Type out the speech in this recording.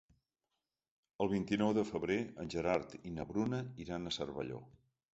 El vint-i-nou de febrer en Gerard i na Bruna iran a Cervelló.